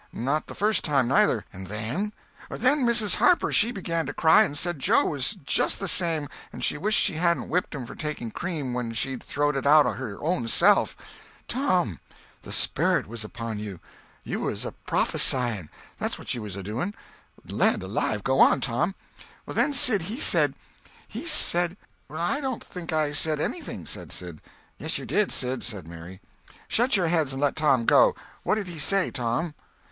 Not the first time, neither. And then—" "Then Mrs. Harper she began to cry, and said Joe was just the same, and she wished she hadn't whipped him for taking cream when she'd throwed it out her own self—" "Tom! The sperrit was upon you! You was a prophesying—that's what you was doing! Land alive, go on, Tom!" "Then Sid he said—he said—" "I don't think I said anything," said Sid. "Yes you did, Sid," said Mary. "Shut your heads and let Tom go on! What did he say, Tom?"